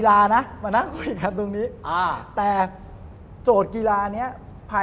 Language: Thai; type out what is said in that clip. เราเอาโจทย์กีฬานะ